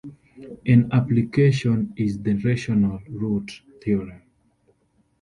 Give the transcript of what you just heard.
An application is the rational root theorem.